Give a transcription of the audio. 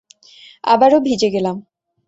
আবারও ভিজে গেলাম।